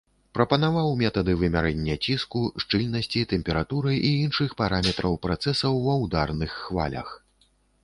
Прапанаваў метады вымярэння ціску, шчыльнасці, тэмпературы і іншых параметраў працэсаў ва ўдарных хвалях.